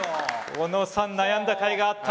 小野さん悩んだかいがあった。